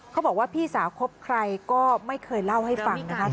เขาบอกว่าพี่สาวคบใครก็ไม่เคยเล่าให้ฟังนะคะ